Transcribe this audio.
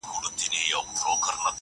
ما درته ویل چي په اغیار اعتبار مه کوه،